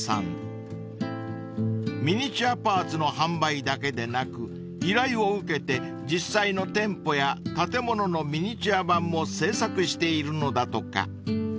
［ミニチュアパーツの販売だけでなく依頼を受けて実際の店舗や建物のミニチュア版も制作しているのだとか］